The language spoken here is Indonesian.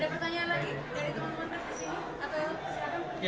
ya ada pertanyaan lagi dari teman teman di sini